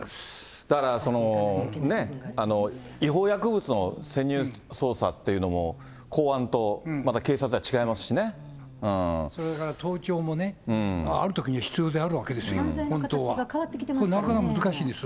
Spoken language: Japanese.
だから、違法薬物の潜入捜査っていうのも、公安とまた警察とそれから盗聴もね。あるときには必要であるわけですよ、犯罪の形が変わってきてますなかなか難しいですよ。